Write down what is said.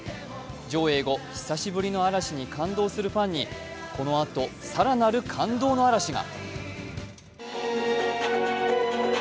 上映後、久しぶりの嵐に感動するファンに、このあと、更なる感動の嵐が。